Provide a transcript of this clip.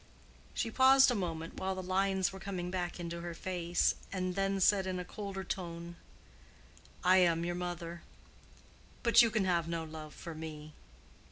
She paused a moment while the lines were coming back into her face, and then said in a colder tone, "I am your mother. But you can have no love for me."